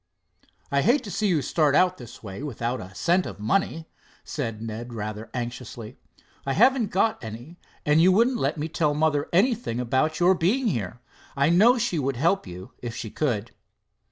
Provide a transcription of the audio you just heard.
"I hate to see you start out this way, without a cent of money," said Ned rather anxiously. "I haven't got any, and you won't let me tell mother anything about your being here. I know she would help you, if she could."